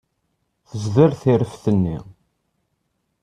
Tezder tireft-nni.